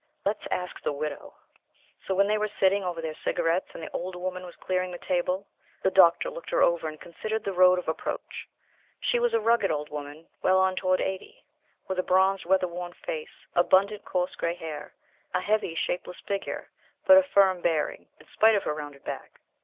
Let's ask the Widow." So, when they were sitting over their cigarettes, and the old woman was clearing the table, the Doctor looked her over, and considered the road of approach. She was a rugged old woman, well on toward eighty, with a bronzed, weather worn face, abundant coarse gray hair, a heavy shapeless figure, but a firm bearing, in spite of her rounded back.